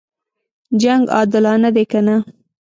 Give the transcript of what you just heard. جنګ عادلانه دی کنه.